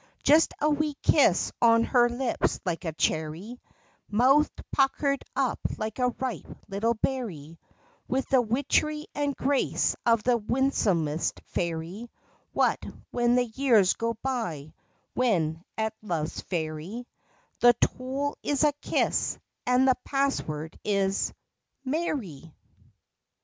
Just a wee kiss on her lips like a cherry, Mouth puckered up like a ripe little berry, With the witchery and grace of the winsomest fairy; What, when the years go by, when at love's ferry, The toll is a kiss, and the password is— "marry?